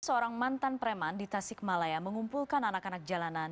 seorang mantan preman di tasikmalaya mengumpulkan anak anak jalanan